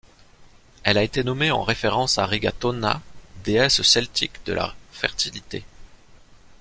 Elle a été nommée en référence à Rigatona, déesse celtique de la fertilité.